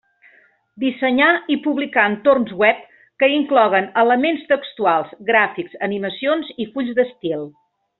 Dissenyar i publicar entorns web que incloguen elements textuals, gràfics, animacions i fulls d'estil.